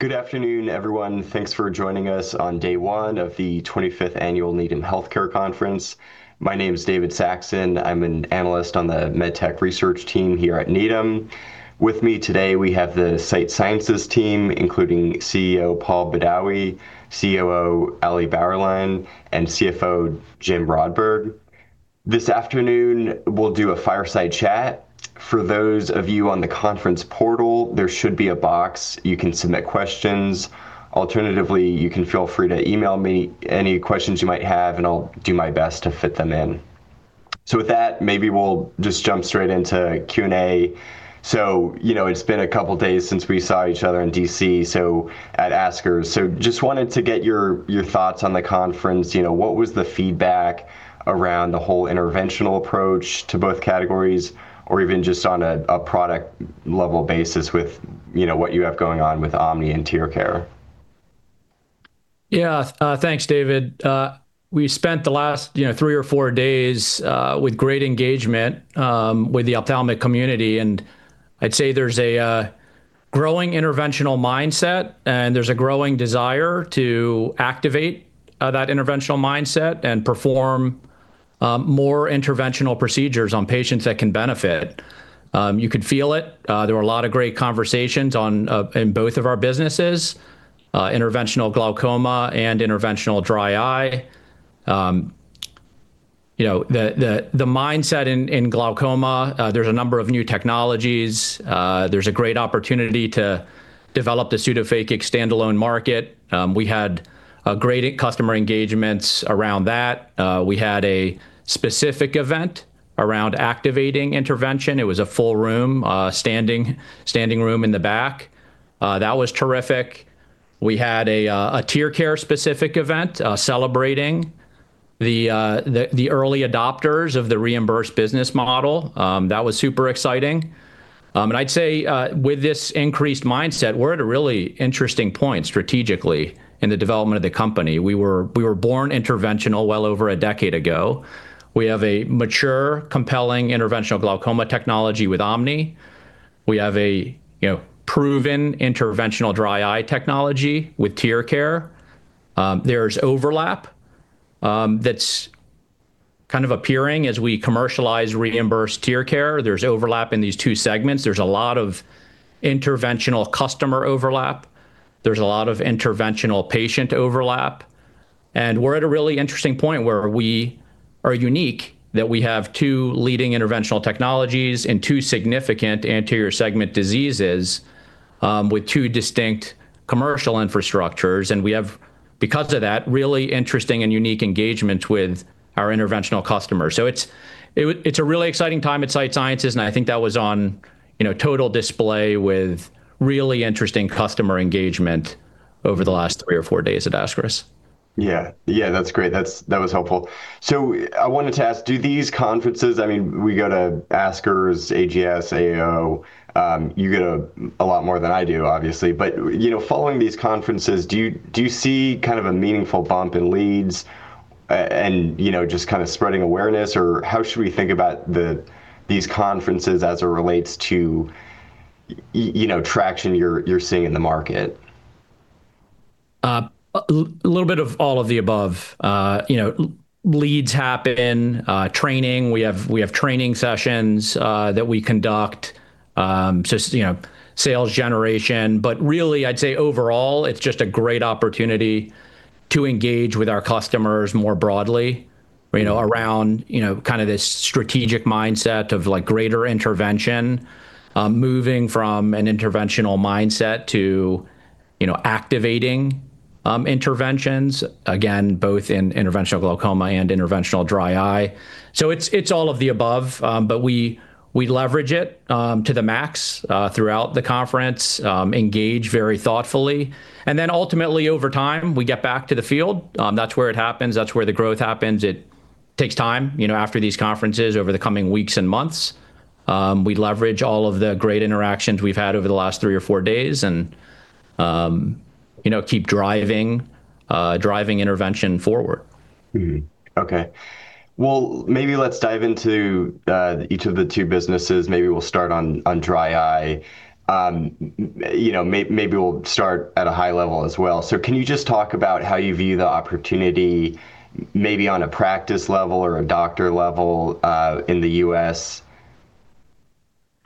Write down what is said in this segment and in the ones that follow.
Good afternoon, everyone. Thanks for joining us on day one of the 25th Annual Needham Healthcare Conference. My name is David Saxon. I'm an analyst on the medtech research team here at Needham. With me today, we have the Sight Sciences team, including CEO, Paul Badawi, COO, Alison Bauerlein, and CFO, Jim Rodberg. This afternoon, we'll do a fireside chat. For those of you on the conference portal, there should be a box. You can submit questions. Alternatively, you can feel free to email me any questions you might have, and I'll do my best to fit them in. With that, maybe we'll just jump straight into Q&A. It's been a couple of days since we saw each other in D.C., at ASCRS. I just wanted to get your thoughts on the conference. What was the feedback around the whole interventional approach to both categories, or even just on a product-level basis with what you have going on with OMNI and TearCare? Yeah. Thanks, David. We spent the last three or four days with great engagement with the ophthalmic community. I'd say there's a growing interventional mindset, and there's a growing desire to activate that interventional mindset and perform more interventional procedures on patients that can benefit. You could feel it. There were a lot of great conversations in both of our businesses, interventional glaucoma and interventional dry eye. The mindset in glaucoma, there's a number of new technologies. There's a great opportunity to develop the pseudophakic standalone market. We had great customer engagements around that. We had a specific event around activating intervention. It was a full room, standing room in the back. That was terrific. We had a TearCare-specific event celebrating the early adopters of the reimbursed business model. That was super exciting. I'd say with this increased mindset, we're at a really interesting point strategically in the development of the company. We were born interventional well over a decade ago. We have a mature, compelling interventional glaucoma technology with OMNI. We have a proven interventional dry eye technology with TearCare. There's overlap that's kind of appearing as we commercialize reimbursed TearCare. There's overlap in these two segments. There's a lot of interventional customer overlap. There's a lot of interventional patient overlap. We're at a really interesting point where we are unique that we have two leading interventional technologies and two significant anterior segment diseases with two distinct commercial infrastructures, and we have, because of that, really interesting and unique engagement with our interventional customers. It's a really exciting time at Sight Sciences, and I think that was on total display with really interesting customer engagement over the last three or four days at ASCRS. Yeah. That's great. That was helpful. I wanted to ask, I mean, we go to ASCRS, AGS, AAO. You go to a lot more than I do, obviously. Following these conferences, do you see kind of a meaningful bump in leads and just kind of spreading awareness, or how should we think about these conferences as it relates to traction you're seeing in the market? A little bit of all of the above. Leads happen, training, we have training sessions that we conduct, sales generation. Really, I'd say overall, it's just a great opportunity to engage with our customers more broadly around kind of this strategic mindset of greater intervention, moving from an interventional mindset to activating interventions, again, both in interventional glaucoma and interventional dry eye. It's all of the above. We leverage it to the max throughout the conference, engage very thoughtfully, and then ultimately over time, we get back to the field. That's where it happens. That's where the growth happens. It takes time. After these conferences, over the coming weeks and months, we leverage all of the great interactions we've had over the last three or four days and keep driving intervention forward. Mm-hmm. Okay. Well, maybe let's dive into each of the two businesses. Maybe we'll start on dry eye. Maybe we'll start at a high level as well. Can you just talk about how you view the opportunity maybe on a practice level or a doctor level, in the U.S.?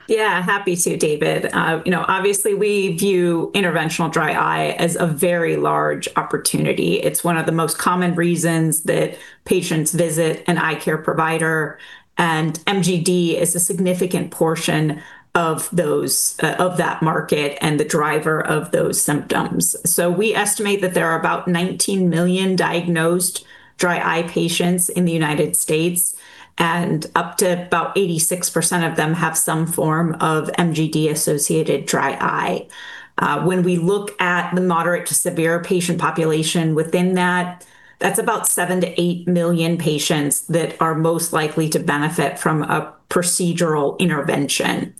Yeah, happy to, David. Obviously, we view interventional dry eye as a very large opportunity. It's one of the most common reasons that patients visit an eye care provider, and MGD is a significant portion of that market and the driver of those symptoms. We estimate that there are about 19 million diagnosed dry eye patients in the United States, and up to about 86% of them have some form of MGD-associated dry eye. When we look at the moderate to severe patient population within that's about 7 million-8 million patients that are most likely to benefit from a procedural intervention.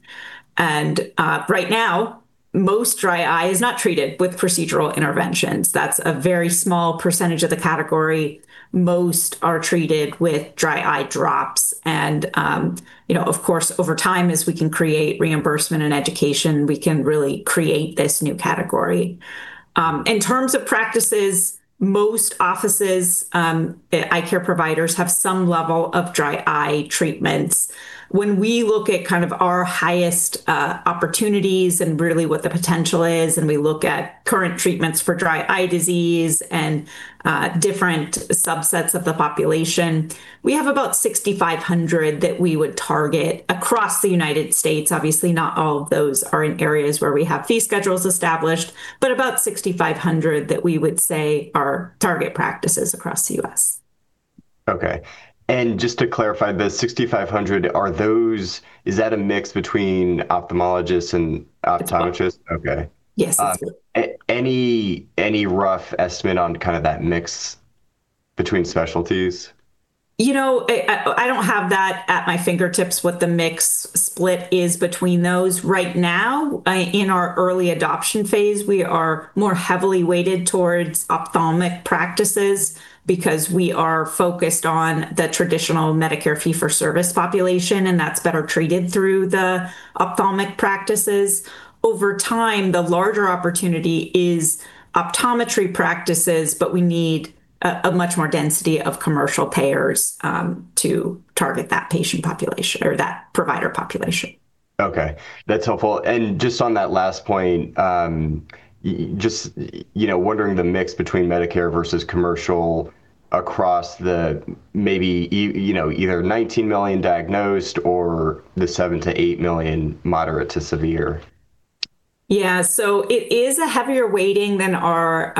Right now, most dry eye is not treated with procedural interventions. That's a very small percentage of the category. Most are treated with dry eye drops. Of course, over time, as we can create reimbursement and education, we can really create this new category. In terms of practices, most offices, eye care providers have some level of dry eye treatments. When we look at our highest opportunities and really what the potential is, and we look at current treatments for dry eye disease and different subsets of the population, we have about 6,500 that we would target across the United States. Obviously, not all of those are in areas where we have fee schedules established, but about 6,500 that we would say are target practices across the U.S. Okay. Just to clarify, the 6,500, is that a mix between ophthalmologists and optometrists? Ophthalmologists. Okay. Yes, that's it. Any rough estimate on that mix between specialties? I don't have that at my fingertips what the mix split is between those right now. In our early adoption phase, we are more heavily weighted towards ophthalmic practices because we are focused on the traditional Medicare fee-for-service population, and that's better treated through the ophthalmic practices. Over time, the larger opportunity is optometry practices, but we need a much more density of commercial payers to target that patient population or that provider population. Okay. That's helpful. And just on that last point, just wondering the mix between Medicare versus commercial across the maybe either 19 million diagnosed or the seven to eight million moderate to severe. Yeah. It is a heavier weighting than our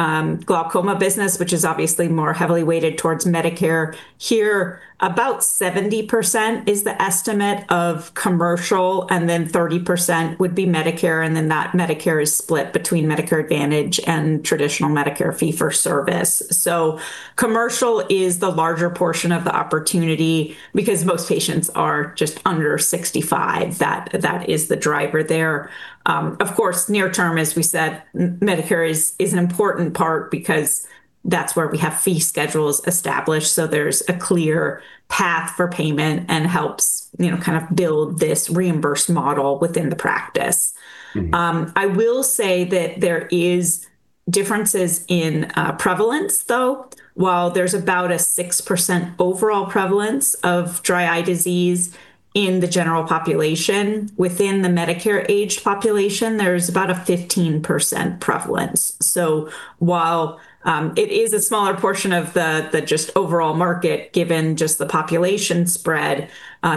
glaucoma business, which is obviously more heavily weighted towards Medicare. Here, about 70% is the estimate of commercial, and then 30% would be Medicare, and then that Medicare is split between Medicare Advantage and traditional Medicare fee-for-service. Commercial is the larger portion of the opportunity because most patients are just under 65. That is the driver there. Of course, near term, as we said, Medicare is an important part because that's where we have fee schedules established, so there's a clear path for payment and helps build this reimbursed model within the practice. Mm-hmm. I will say that there is differences in prevalence, though. While there's about a 6% overall prevalence of dry eye disease in the general population, within the Medicare-aged population, there's about a 15% prevalence. While it is a smaller portion of the just overall market, given just the population spread,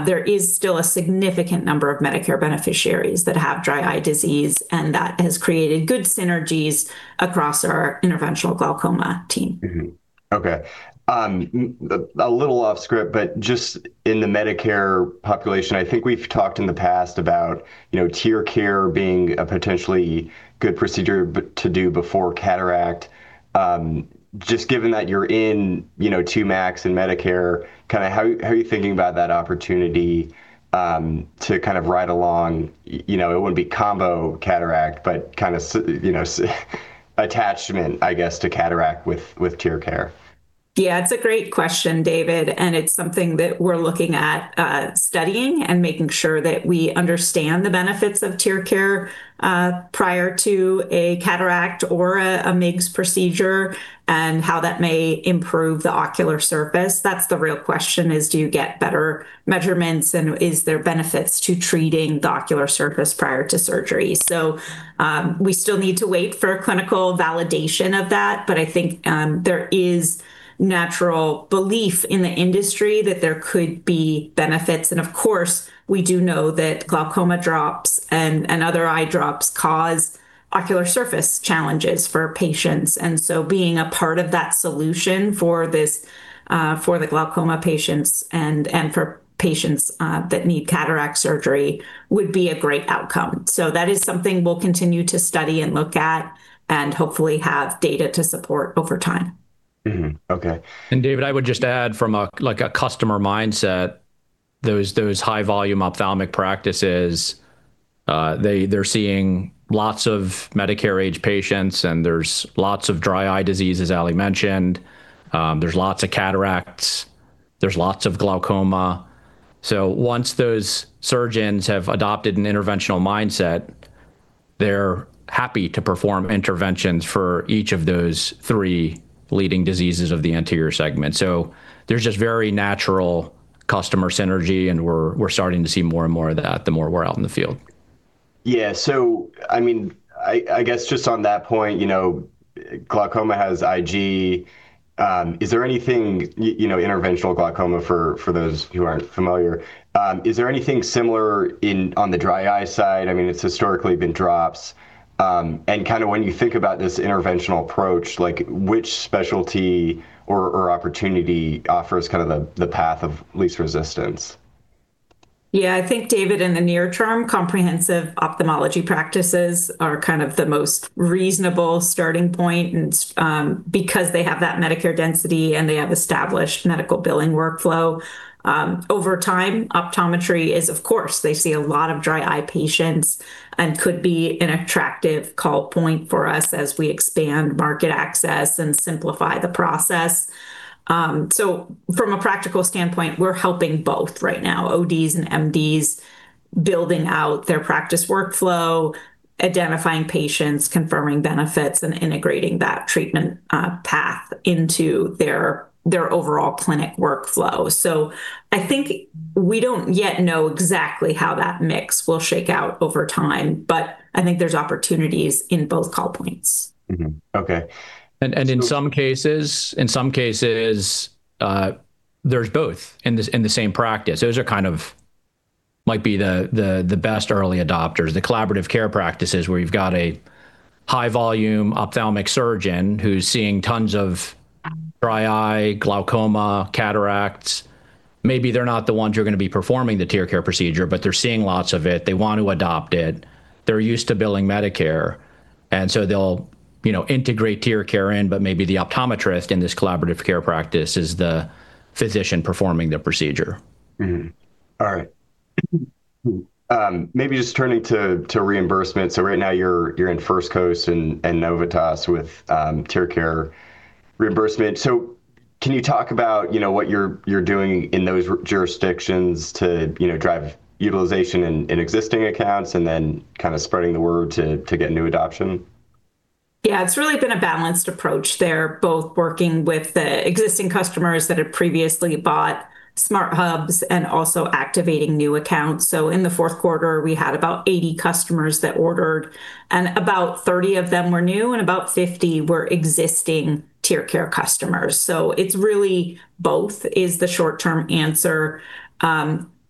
there is still a significant number of Medicare beneficiaries that have dry eye disease, and that has created good synergies across our interventional glaucoma team. Mm-hmm. Okay. A little off-script, but just in the Medicare population, I think we've talked in the past about TearCare being a potentially good procedure to do before cataract. Just given that you're in two MACs and Medicare, how are you thinking about that opportunity to ride along? It wouldn't be combo cataract, but attachment, I guess, to cataract with TearCare. Yeah, it's a great question, David, and it's something that we're looking at studying and making sure that we understand the benefits of TearCare prior to a cataract or a MIGS procedure and how that may improve the ocular surface. That's the real question is do you get better measurements, and is there benefits to treating the ocular surface prior to surgery? We still need to wait for a clinical validation of that, but I think there is natural belief in the industry that there could be benefits. Of course, we do know that glaucoma drops and other eye drops cause ocular surface challenges for patients. Being a part of that solution for the glaucoma patients and for patients that need cataract surgery would be a great outcome. That is something we'll continue to study and look at and hopefully have data to support over time. Mm-hmm. Okay. David, I would just add from a customer mindset, those high-volume ophthalmic practices, they're seeing lots of Medicare-age patients, and there's lots of dry eye disease, as Alison mentioned. There's lots of cataracts. There's lots of glaucoma. Once those surgeons have adopted an interventional mindset, they're happy to perform interventions for each of those three leading diseases of the anterior segment. There's just very natural customer synergy, and we're starting to see more and more of that the more we're out in the field. Yeah. I guess just on that point, glaucoma has IG, interventional glaucoma, for those who aren't familiar. Is there anything similar on the dry eye side? It's historically been drops. When you think about this interventional approach, which specialty or opportunity offers the path of least resistance? Yeah. I think, David, in the near term, comprehensive ophthalmology practices are the most reasonable starting point because they have that Medicare density, and they have established medical billing workflow. Over time, optometry, of course, they see a lot of dry eye patients and could be an attractive call point for us as we expand market access and simplify the process. From a practical standpoint, we're helping both right now, ODs and MDs, building out their practice workflow, identifying patients, confirming benefits, and integrating that treatment path into their overall clinic workflow. I think we don't yet know exactly how that mix will shake out over time, but I think there's opportunities in both call points. Mm-hmm. Okay. In some cases, there's both in the same practice. Those might be the best early adopters, the collaborative care practices, where you've got a high-volume ophthalmic surgeon who's seeing tons of dry eye, glaucoma, cataracts. Maybe they're not the ones who are going to be performing the TearCare procedure, but they're seeing lots of it. They want to adopt it. They're used to billing Medicare, and so they'll integrate TearCare in, but maybe the optometrist in this collaborative care practice is the physician performing the procedure. All right. Maybe just turning to reimbursement. Right now you're in First Coast and Novitas with TearCare reimbursement. Can you talk about what you're doing in those jurisdictions to drive utilization in existing accounts and then kind of spreading the word to get new adoption? Yeah. It's really been a balanced approach there, both working with the existing customers that had previously bought SmartHubs and also activating new accounts. In the fourth quarter, we had about 80 customers that ordered, and about 30 of them were new and about 50 were existing TearCare customers. It's really both is the short-term answer.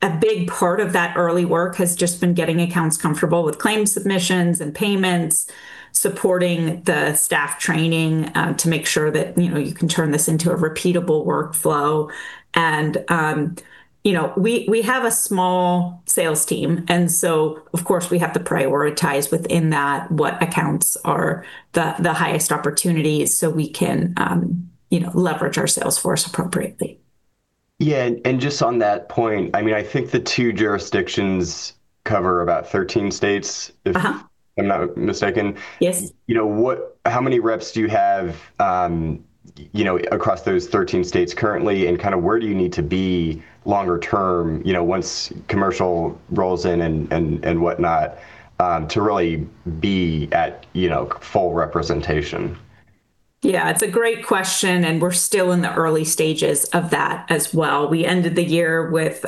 A big part of that early work has just been getting accounts comfortable with claims submissions and payments, supporting the staff training to make sure that you can turn this into a repeatable workflow. We have a small sales team, and so of course, we have to prioritize within that what accounts are the highest opportunities so we can leverage our sales force appropriately. Yeah. Just on that point, I think the two jurisdictions cover about 13 states. Uh-huh. If I'm not mistaken. Yes. How many reps do you have across those 13 states currently, and kind of where do you need to be longer term once commercial rolls in and whatnot, to really be at full representation? Yeah, it's a great question, and we're still in the early stages of that as well. We ended the year with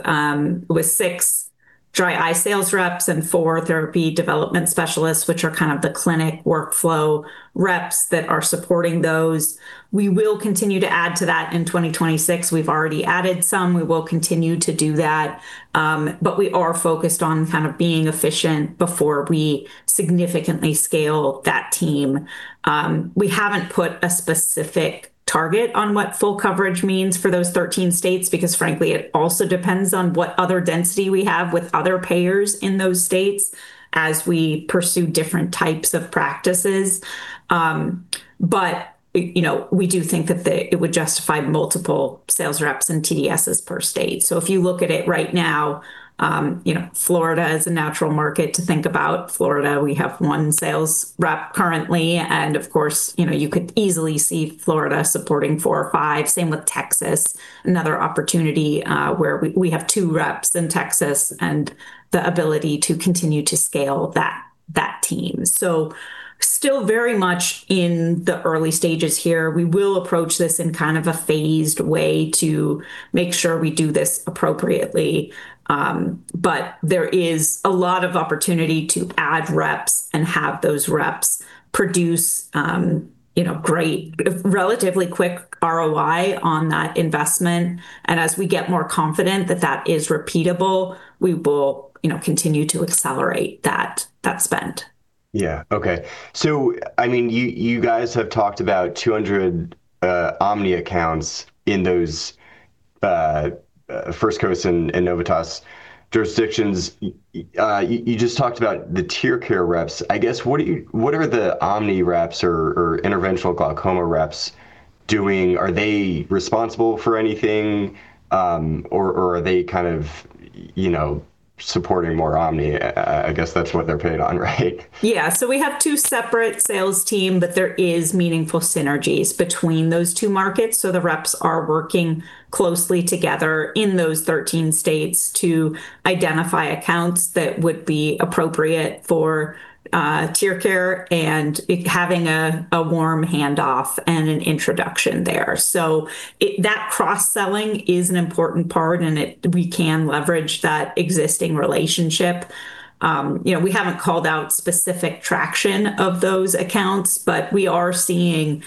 six dry eye sales reps and four Therapy Development Specialists, which are kind of the clinic workflow reps that are supporting those. We will continue to add to that in 2026. We've already added some. We will continue to do that. We are focused on kind of being efficient before we significantly scale that team. We haven't put a specific target on what full coverage means for those 13 states, because frankly, it also depends on what other density we have with other payers in those states as we pursue different types of practices. We do think that it would justify multiple sales reps and TDs per state. If you look at it right now, Florida is a natural market to think about. Florida, we have one sales rep currently, and of course, you could easily see Florida supporting four or five. Same with Texas, another opportunity where we have two reps in Texas and the ability to continue to scale that team. Still very much in the early stages here. We will approach this in kind of a phased way to make sure we do this appropriately. There is a lot of opportunity to add reps and have those reps produce great, relatively quick ROI on that investment. As we get more confident that that is repeatable, we will continue to accelerate that spend. Yeah. Okay. You guys have talked about 200 OMNI accounts in those First Coast and Novitas jurisdictions. You just talked about the TearCare reps. I guess, what are the OMNI reps or interventional glaucoma reps doing? Are they responsible for anything or are they kind of supporting more OMNI? I guess that's what they're paid on, right? Yeah. We have two separate sales team, but there is meaningful synergies between those two markets. The reps are working closely together in those 13 states to identify accounts that would be appropriate for TearCare and having a warm handoff and an introduction there. That cross-selling is an important part, and we can leverage that existing relationship. We haven't called out specific traction of those accounts, but we are seeing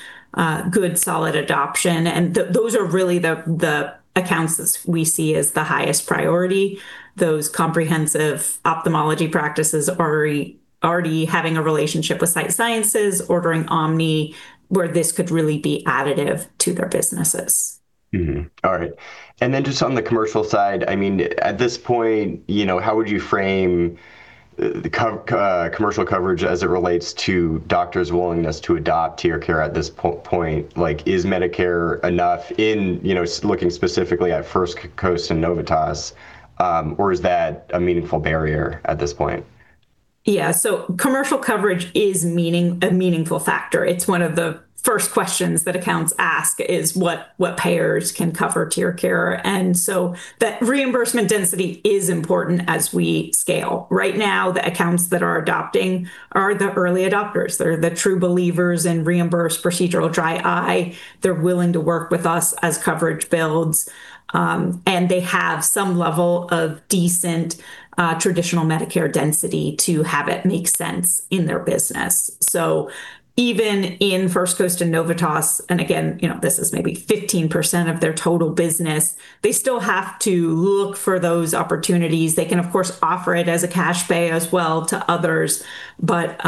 good, solid adoption, and those are really the accounts we see as the highest priority, those comprehensive ophthalmology practices already having a relationship with Sight Sciences, ordering OMNI, where this could really be additive to their businesses. Mm-hmm. All right. Just on the commercial side, at this point, how would you frame the commercial coverage as it relates to doctors' willingness to adopt TearCare at this point? Is Medicare enough in looking specifically at First Coast and Novitas, or is that a meaningful barrier at this point? Yeah. Commercial coverage is a meaningful factor. It's one of the first questions that accounts ask is what payers can cover TearCare. That reimbursement density is important as we scale. Right now, the accounts that are adopting are the early adopters. They're the true believers in reimbursed procedural dry eye. They're willing to work with us as coverage builds, and they have some level of decent traditional Medicare density to have it make sense in their business. Even in First Coast and Novitas, and again, this is maybe 15% of their total business, they still have to look for those opportunities. They can, of course, offer it as a cash pay as well to others, but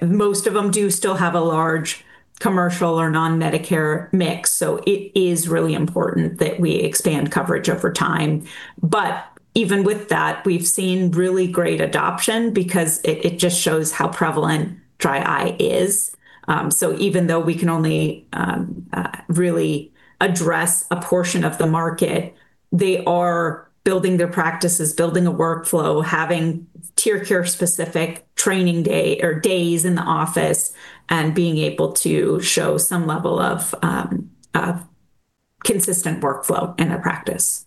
most of them do still have a large commercial or non-Medicare mix. It is really important that we expand coverage over time. Even with that, we've seen really great adoption because it just shows how prevalent dry eye is. Even though we can only really address a portion of the market, they are building their practices, building a workflow, having TearCare-specific training day or days in the office, and being able to show some level of consistent workflow in their practice.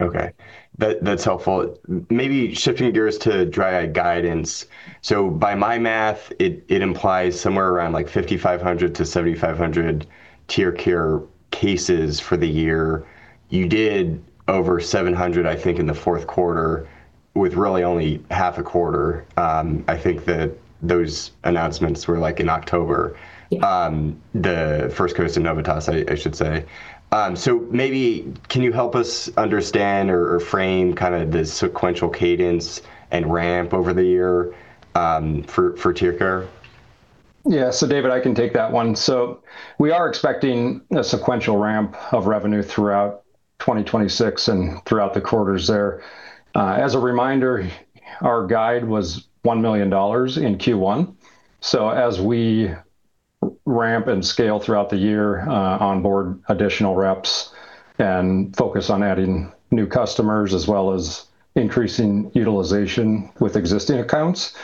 Okay. That's helpful. Maybe shifting gears to dry eye guidance. By my math, it implies somewhere around 5,500-7,500 TearCare cases for the year. You did over 700, I think, in the fourth quarter with really only half a quarter. I think that those announcements were in October. Yeah. The First Coast and Novitas, I should say. Maybe can you help us understand or frame kind of the sequential cadence and ramp over the year for TearCare? Yeah. David, I can take that one. We are expecting a sequential ramp of revenue throughout 2026 and throughout the quarters there. As a reminder, our guide was $1 million in Q1. As we ramp and scale throughout the year, onboard additional reps, and focus on adding new customers as well as increasing utilization with existing accounts,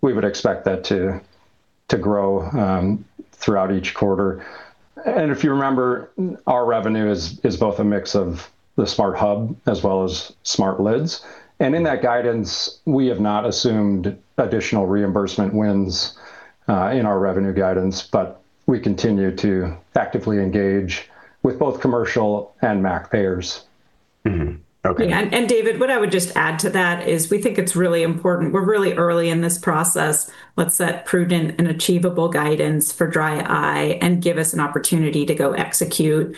we would expect that to grow throughout each quarter. If you remember, our revenue is both a mix of the SmartHub as well as SmartLids. In that guidance, we have not assumed additional reimbursement wins in our revenue guidance, but we continue to actively engage with both commercial and MAC payers. Mm-hmm. Okay. David, what I would just add to that is we think it's really important. We're really early in this process. Let's set prudent and achievable guidance for dry eye and give us an opportunity to go execute.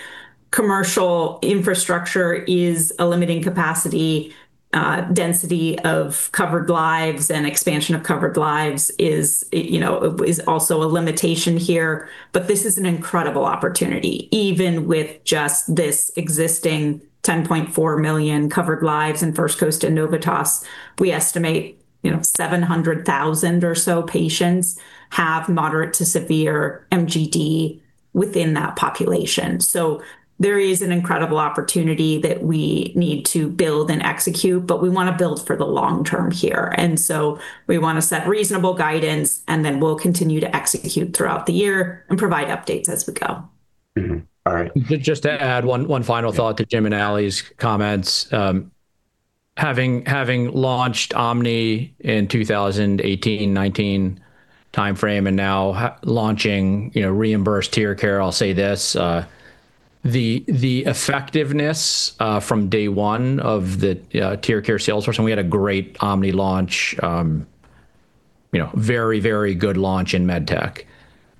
Commercial infrastructure is a limiting capacity. Density of covered lives and expansion of covered lives is also a limitation here. This is an incredible opportunity, even with just this existing 10.4 million covered lives in First Coast and Novitas, we estimate 700,000 or so patients have moderate to severe MGD within that population. There is an incredible opportunity that we need to build and execute, but we want to build for the long term here. We want to set reasonable guidance, and then we'll continue to execute throughout the year and provide updates as we go. Mm-hmm. All right. Just to add one final thought to Jim and Ali's comments. Having launched OMNI in 2018-2019 timeframe and now launching reimbursed TearCare, I'll say this. The effectiveness from day one of the TearCare sales force, and we had a great OMNI launch, very good launch in medtech.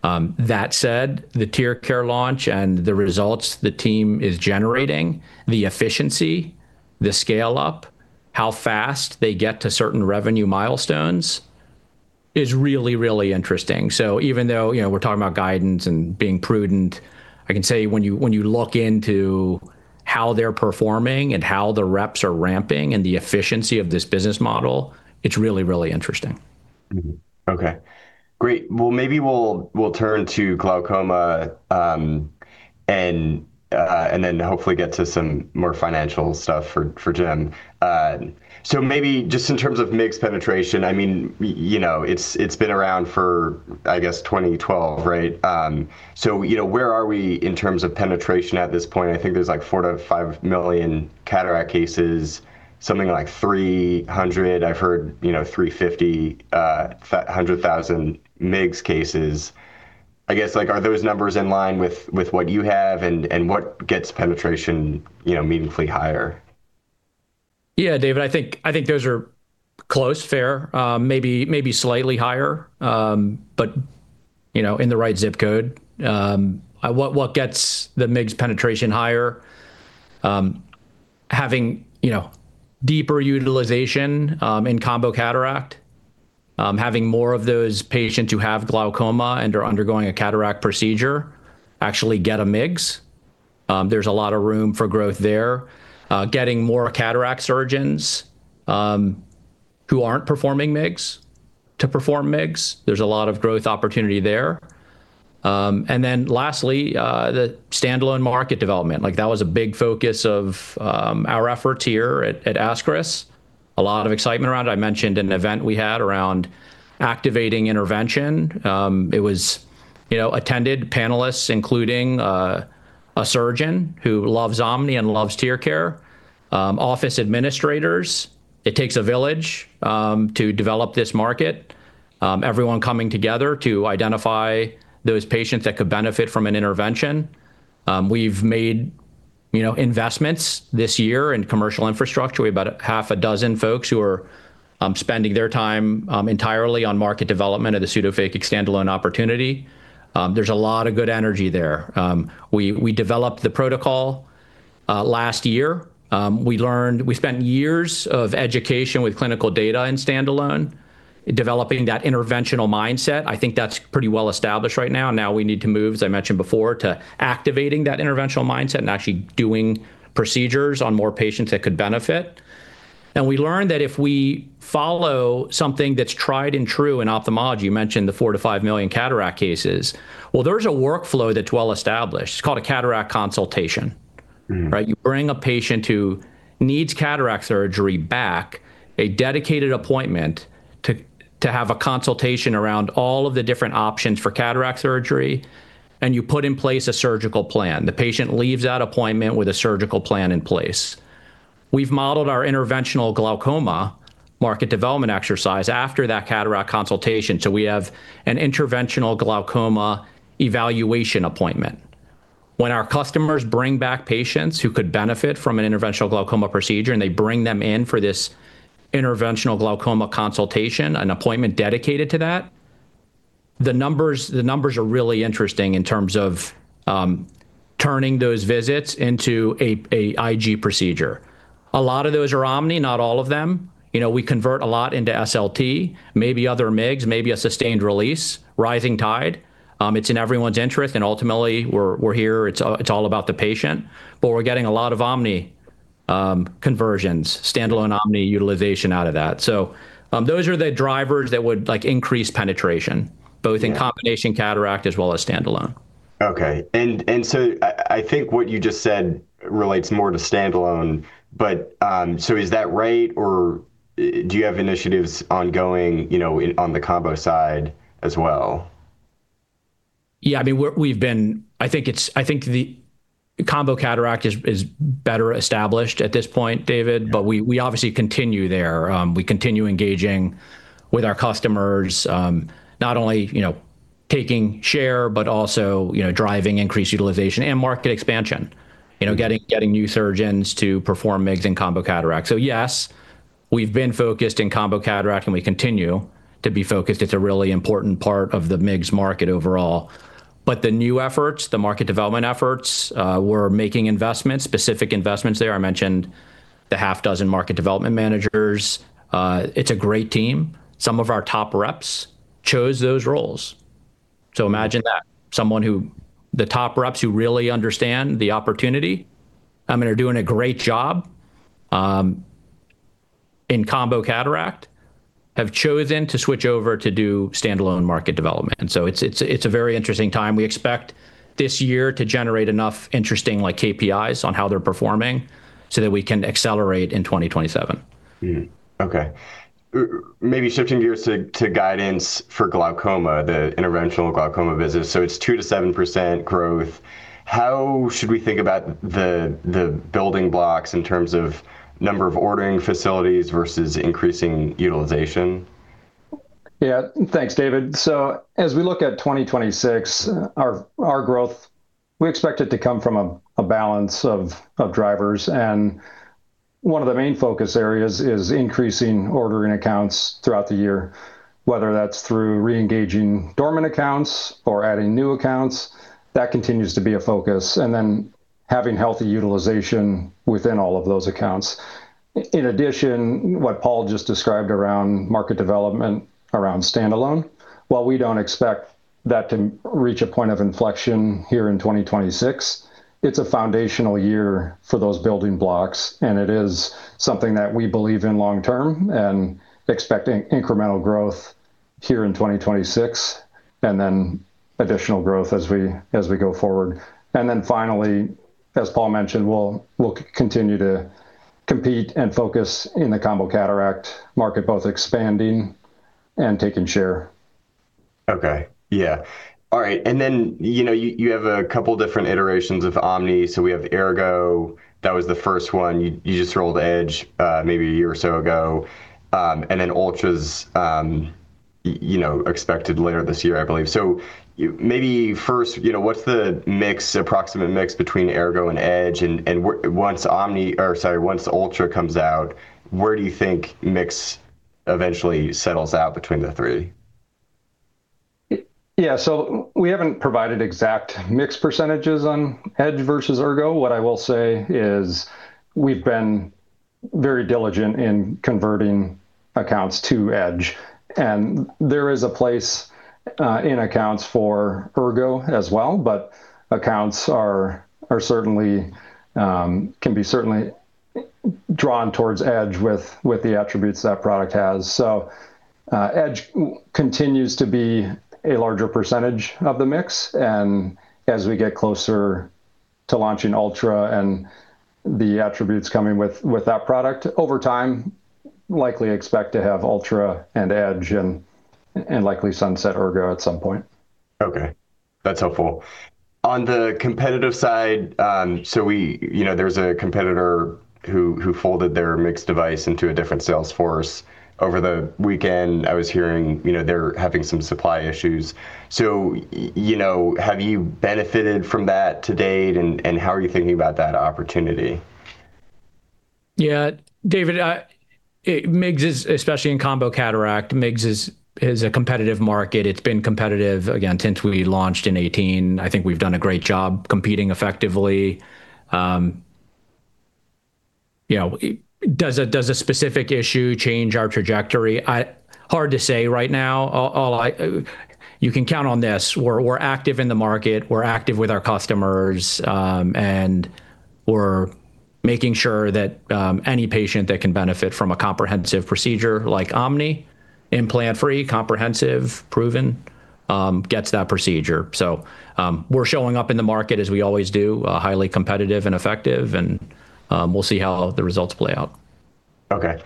That said, the TearCare launch and the results the team is generating, the efficiency, the scale-up, how fast they get to certain revenue milestones is really interesting. Even though we're talking about guidance and being prudent, I can say when you look into how they're performing and how the reps are ramping and the efficiency of this business model, it's really interesting. Mm-hmm. Okay. Great. Well, maybe we'll turn to glaucoma, and hopefully get to some more financial stuff for Jim. Maybe just in terms of MIGS penetration, it's been around for, I guess, 2012, right? Where are we in terms of penetration at this point? I think there's 4 million-5 million cataract cases, something like, I've heard, 350,000 MIGS cases. I guess, are those numbers in line with what you have and what gets penetration meaningfully higher? Yeah, David. I think those are close, fair. Maybe slightly higher, but in the right ZIP code. What gets the MIGS penetration higher? Having deeper utilization in combo cataract, having more of those patients who have glaucoma and are undergoing a cataract procedure actually get a MIGS. There's a lot of room for growth there. Getting more cataract surgeons who aren't performing MIGS to perform MIGS, there's a lot of growth opportunity there. Lastly, the standalone market development. That was a big focus of our efforts here at ASCRS. A lot of excitement around it. I mentioned an event we had around activating intervention. It was attended panelists, including a surgeon who loves OMNI and loves TearCare, office administrators. It takes a village to develop this market, everyone coming together to identify those patients that could benefit from an intervention. We've made investments this year in commercial infrastructure. We have about a half a dozen folks who are spending their time entirely on market development of the pseudophakic standalone opportunity. There's a lot of good energy there. We developed the protocol last year. We spent years of education with clinical data in standalone, developing that interventional mindset. I think that's pretty well-established right now. Now we need to move, as I mentioned before, to activating that interventional mindset and actually doing procedures on more patients that could benefit. We learned that if we follow something that's tried and true in ophthalmology, you mentioned the 4 million-5 million cataract cases, well, there's a workflow that's well-established. It's called a cataract consultation. Mm. Right? You bring a patient who needs cataract surgery back, a dedicated appointment to have a consultation around all of the different options for cataract surgery, and you put in place a surgical plan. The patient leaves that appointment with a surgical plan in place. We've modeled our interventional glaucoma market development exercise after that cataract consultation, so we have an interventional glaucoma evaluation appointment. When our customers bring back patients who could benefit from an interventional glaucoma procedure, and they bring them in for this interventional glaucoma consultation, an appointment dedicated to that, the numbers are really interesting in terms of turning those visits into an IG procedure. A lot of those are OMNI, not all of them. We convert a lot into SLT, maybe other MIGS, maybe a sustained release, rising tide. It's in everyone's interest, and ultimately, we're here. It's all about the patient, but we're getting a lot of OMNI conversions, standalone OMNI utilization out of that. Those are the drivers that would increase penetration. Yeah Both in combination cataract as well as standalone. Okay. I think what you just said relates more to standalone. Is that right, or do you have initiatives ongoing on the combo side as well? Yeah, I think the combo cataract is better established at this point, David. Yeah We obviously continue there. We continue engaging with our customers, not only taking share, but also driving increased utilization and market expansion, getting new surgeons to perform MIGS and combo cataract. Yes, we've been focused in combo cataract, and we continue to be focused. It's a really important part of the MIGS market overall. The new efforts, the market development efforts, we're making investments, specific investments there. I mentioned the half dozen market development managers. It's a great team. Some of our top reps chose those roles. Imagine that. The top reps who really understand the opportunity and are doing a great job in combo cataract have chosen to switch over to do standalone market development, and so it's a very interesting time. We expect this year to generate enough interesting KPIs on how they're performing so that we can accelerate in 2027. Okay. Maybe shifting gears to guidance for glaucoma, the interventional glaucoma business. It's 2%-7% growth. How should we think about the building blocks in terms of number of ordering facilities versus increasing utilization? Yeah. Thanks, David. As we look at 2026, our growth, we expect it to come from a balance of drivers, and one of the main focus areas is increasing ordering accounts throughout the year, whether that's through reengaging dormant accounts or adding new accounts. That continues to be a focus, and then having healthy utilization within all of those accounts. In addition, what Paul just described around market development around standalone, while we don't expect that to reach a point of inflection here in 2026, it's a foundational year for those building blocks, and it is something that we believe in long term and expect incremental growth here in 2026, and then additional growth as we go forward. Finally, as Paul mentioned, we'll continue to compete and focus in the combo cataract market, both expanding and taking share. Okay. Yeah. All right. You have a couple different iterations of OMNI. We have Ergo. That was the first one. You just rolled Edge maybe a year or so ago. Ultra's expected later this year, I believe. Maybe first, what's the approximate mix between Ergo and Edge, and once Ultra comes out, where do you think mix eventually settles out between the three? Yeah. We haven't provided exact mix percentages on Edge versus Ergo. What I will say is we've been very diligent in converting accounts to Edge. There is a place in accounts for Ergo as well, but accounts can be certainly drawn towards Edge with the attributes that product has. Edge continues to be a larger percentage of the mix, and as we get closer to launching Ultra and the attributes coming with that product, over time, likely expect to have Ultra and Edge and likely sunset Ergo at some point. Okay. That's helpful. On the competitive side, so there's a competitor who folded their MIGS device into a different sales force over the weekend. I was hearing they're having some supply issues. Have you benefited from that to date? How are you thinking about that opportunity? Yeah, David, especially in combo cataract, MIGS is a competitive market. It's been competitive, again, since we launched in 2018. I think we've done a great job competing effectively. Does a specific issue change our trajectory? Hard to say right now. You can count on this. We're active in the market. We're active with our customers. We're making sure that any patient that can benefit from a comprehensive procedure like OMNI, implant-free, comprehensive, proven, gets that procedure. We're showing up in the market as we always do, highly competitive and effective. We'll see how the results play out. Okay.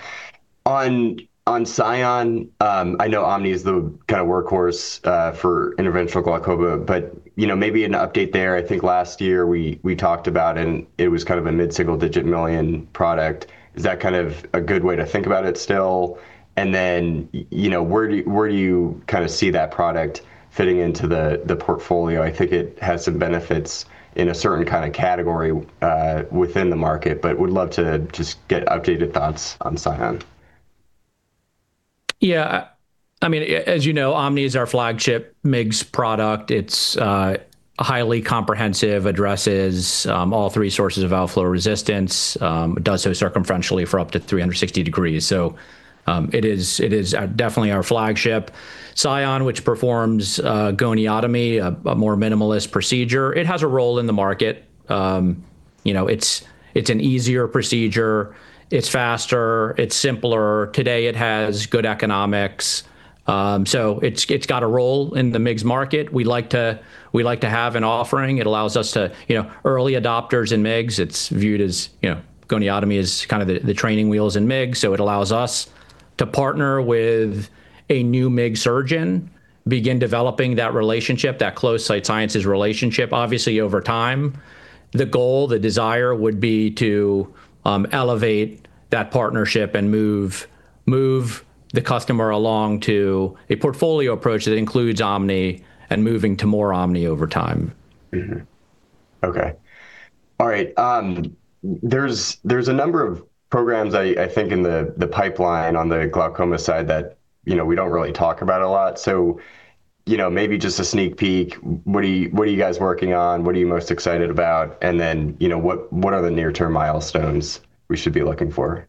On SION, I know OMNI is the kind of workhorse for interventional glaucoma, but maybe an update there. I think last year we talked about, and it was kind of a $mid-single-digit million product. Is that kind of a good way to think about it still? Where do you kind of see that product fitting into the portfolio? I think it has some benefits in a certain kind of category within the market, but would love to just get updated thoughts on SION. Yeah. As you know, OMNI is our flagship MIGS product. It's highly comprehensive, addresses all three sources of outflow resistance, does so circumferentially for up to 360 degrees. It is definitely our flagship. SION, which performs goniotomy, a more minimalist procedure, it has a role in the market. It's an easier procedure. It's faster. It's simpler. Today, it has good economics. It's got a role in the MIGS market. We like to have an offering. It allows us to early adopters in MIGS. Goniotomy is kind of the training wheels in MIGS, so it allows us to partner with a new MIGS surgeon, begin developing that relationship, that close Sight Sciences relationship, obviously over time. The goal, the desire would be to elevate that partnership and move the customer along to a portfolio approach that includes OMNI and moving to more OMNI over time. Okay. All right. There's a number of programs I think in the pipeline on the glaucoma side that we don't really talk about a lot. Maybe just a sneak peek, what are you guys working on? What are you most excited about? What are the near-term milestones we should be looking for?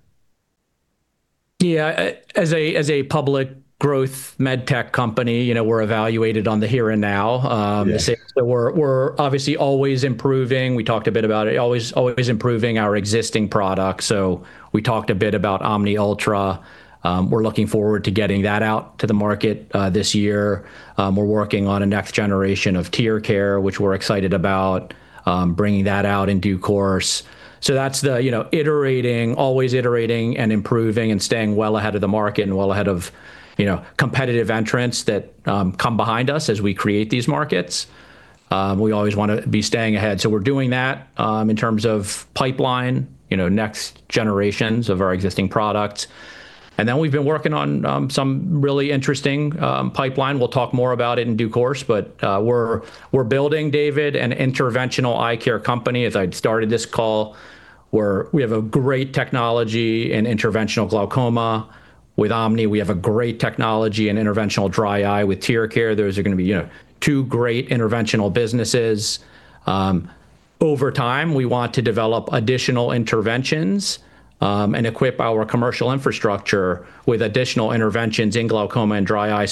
Yeah, as a public growth medtech company, we're evaluated on the here and now. Yeah. We're obviously always improving. We talked a bit about always improving our existing product. We talked a bit about OMNI Ultra. We're looking forward to getting that out to the market this year. We're working on a next generation of TearCare, which we're excited about bringing that out in due course. That's the iterating, always iterating and improving and staying well ahead of the market and well ahead of competitive entrants that come behind us as we create these markets. We always want to be staying ahead. We're doing that in terms of pipeline, next generations of our existing products. We've been working on some really interesting pipeline. We'll talk more about it in due course, but we're building, David, an interventional eyecare company. As I started this call, we have a great technology in interventional glaucoma. With OMNI, we have a great technology in interventional dry eye with TearCare. Those are going to be two great interventional businesses. Over time, we want to develop additional interventions and equip our commercial infrastructure with additional interventions in glaucoma and dry eye.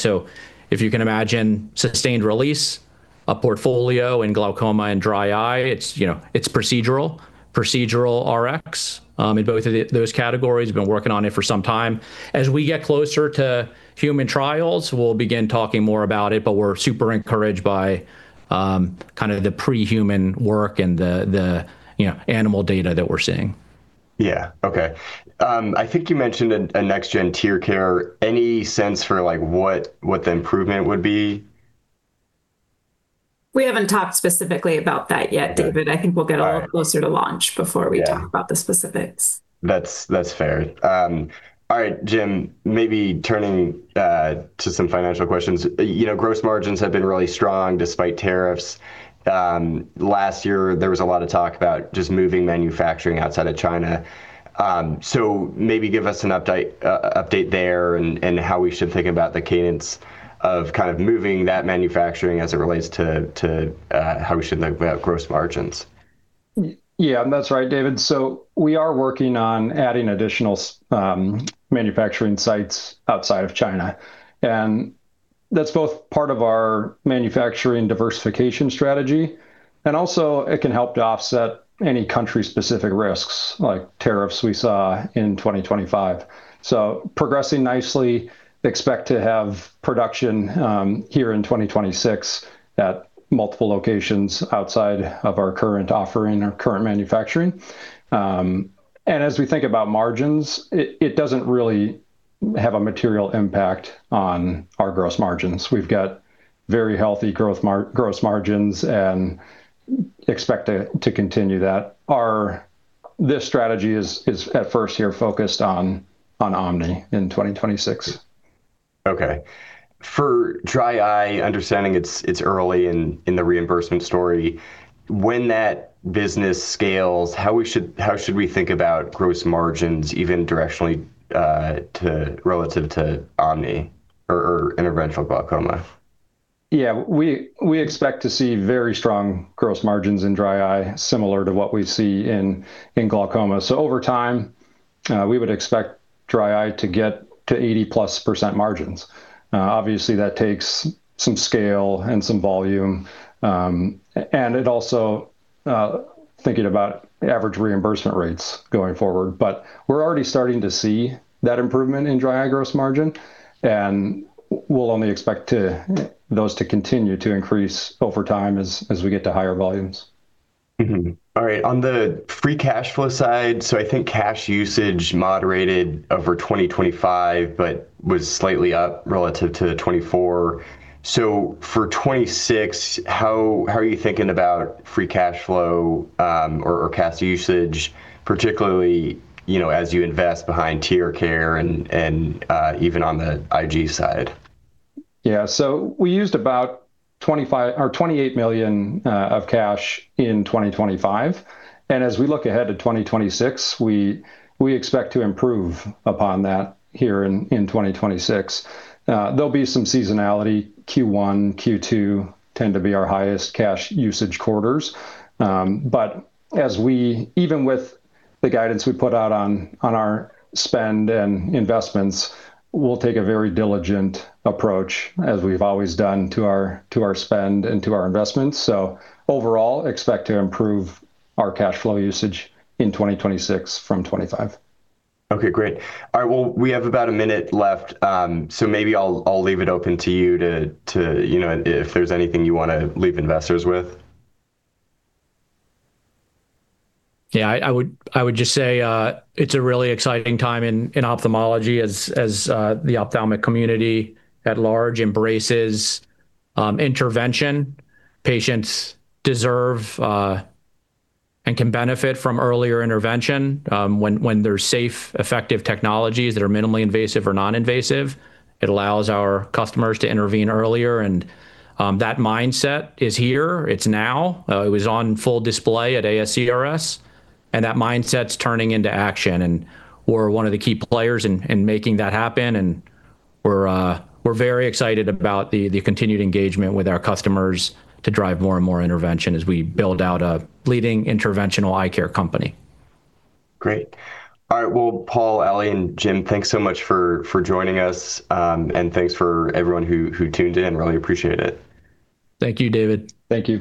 If you can imagine sustained release, a portfolio in glaucoma and dry eye, it's procedural Rx in both of those categories. We've been working on it for some time. As we get closer to human trials, we'll begin talking more about it, but we're super encouraged by kind of the pre-human work and the animal data that we're seeing. Yeah. Okay. I think you mentioned a next-gen TearCare. Any sense for what the improvement would be? We haven't talked specifically about that yet, David. All right. I think we'll get a little closer to launch before we. Yeah Talk about the specifics. That's fair. All right. Jim, maybe turning to some financial questions. Gross margins have been really strong despite tariffs. Last year, there was a lot of talk about just moving manufacturing outside of China. Maybe give us an update there and how we should think about the cadence of kind of moving that manufacturing as it relates to how we should think about gross margins. Yeah, that's right, David. We are working on adding additional manufacturing sites outside of China. That's both part of our manufacturing diversification strategy, and also it can help to offset any country-specific risks, like tariffs we saw in 2025. Progressing nicely. Expect to have production here in 2026 at multiple locations outside of our current offering, our current manufacturing. As we think about margins, it doesn't really have a material impact on our gross margins. We've got very healthy gross margins and expect to continue that. This strategy is at first here focused on OMNI in 2026. Okay. For dry eye, understanding it's early in the reimbursement story, when that business scales, how should we think about gross margins even directionally relative to OMNI or interventional glaucoma? Yeah. We expect to see very strong gross margins in dry eye, similar to what we see in glaucoma. Over time, we would expect dry eye to get to 80%+ margins. Obviously, that takes some scale and some volume. It also, thinking about average reimbursement rates going forward, we're already starting to see that improvement in dry eye gross margin, and we'll only expect those to continue to increase over time as we get to higher volumes. All right. On the free cash flow side, so I think cash usage moderated over 2025, but was slightly up relative to 2024. For 2026, how are you thinking about free cash flow or cash usage, particularly as you invest behind TearCare and even on the IG side? Yeah. We used about $28 million of cash in 2025. As we look ahead to 2026, we expect to improve upon that here in 2026. There'll be some seasonality. Q1, Q2 tend to be our highest cash usage quarters. Even with the guidance we put out on our spend and investments, we'll take a very diligent approach, as we've always done, to our spend and to our investments. Overall, expect to improve our cash flow usage in 2026 from 2025. Okay, great. All right. Well, we have about a minute left. Maybe I'll leave it open to you if there's anything you want to leave investors with. Yeah. I would just say it's a really exciting time in ophthalmology as the ophthalmic community at large embraces intervention. Patients deserve and can benefit from earlier intervention when there's safe, effective technologies that are minimally invasive or non-invasive. It allows our customers to intervene earlier, and that mindset is here. It's now. It was on full display at ASCRS, and that mindset's turning into action. We're one of the key players in making that happen, and we're very excited about the continued engagement with our customers to drive more and more intervention as we build out a leading interventional eye care company. Great. All right. Well, Paul, Alison, and Jim, thanks so much for joining us, and thanks for everyone who tuned in. Really appreciate it. Thank you, David. Thank you.